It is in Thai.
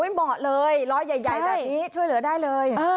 เหมาะเลยรอยใหญ่แบบนี้ช่วยเหลือได้เลย